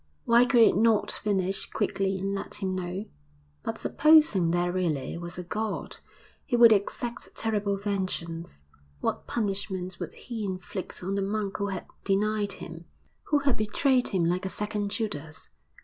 Why could it not finish quickly and let him know? But supposing there really was a God, He would exact terrible vengeance. What punishment would He inflict on the monk who had denied Him who had betrayed Him like a second Judas?